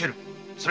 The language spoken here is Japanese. それ！